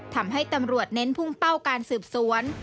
ทำให้ตำรวจเน้นพุ่งเป้าการสืบสวน